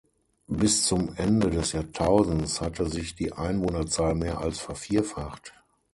Bis zum Ende des Jahrtausends hatte sich die Einwohnerzahl mehr als vervierfacht.